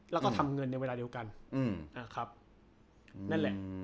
แล้วก็ทำเงินในเวลาเดียวกันนะครับนั่นแหละ